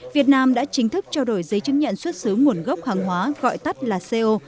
việt nam đã chính thức trao đổi giấy chứng nhận xuất xứ nguồn gốc hàng hóa gọi tắt là co